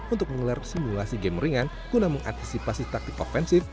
untuk mengelar simulasi game ringan guna mengantisipasi taktik offensif